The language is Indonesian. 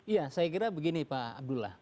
ya saya kira begini pak abdullah